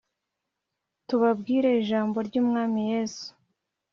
tubabwire ijambo ry'umwami yesu,